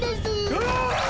うわ！